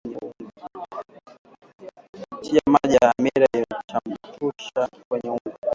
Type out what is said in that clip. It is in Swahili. tia maji ya hamira uliyochachusha kwenye unga